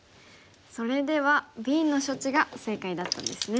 それではＢの処置が正解だったんですね。